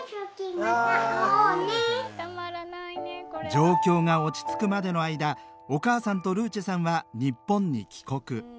状況が落ち着くまでの間お母さんとルーチェさんは日本に帰国。